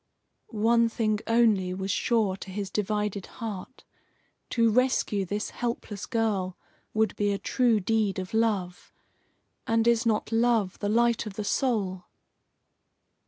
One thing only was sure to his divided heart to rescue this helpless girl would be a true deed of love. And is not love the light of the soul?